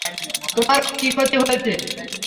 তোমার কি ক্ষতি হয়েছে?